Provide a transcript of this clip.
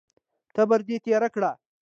تبر دې تېره کړه!